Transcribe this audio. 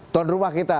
tuan rumah kita